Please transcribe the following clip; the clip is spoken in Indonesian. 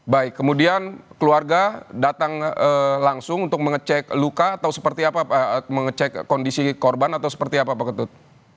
baik kemudian keluarga datang langsung untuk mengecek luka atau seperti apa pak ketut